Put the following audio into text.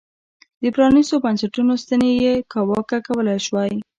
د پرانیستو بنسټونو ستنې یې کاواکه کولای شوای.